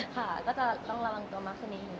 ค่ะก็จะลองระวังตัวมาคืนนี้ครับ